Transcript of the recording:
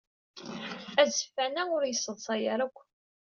Azeffan-a ur yesseḍsay ara akk.